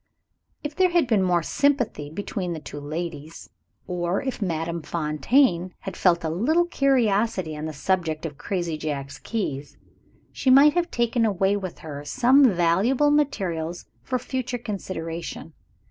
If there had been more sympathy between the two ladies, or if Madame Fontaine had felt a little curiosity on the subject of crazy Jack's keys, she might have taken away with her some valuable materials for future consideration.